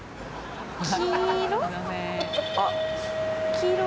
黄色？